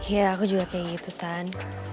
iya aku juga kayak gitu tan